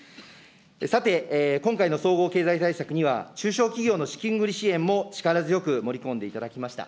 さて、今回の総合経済対策には、中小企業の資金繰り支援も力強く盛り込んでいただきました。